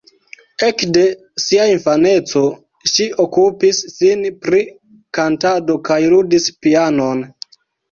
Ekde sia infaneco ŝi okupis sin pri kantado kaj ludis pianon.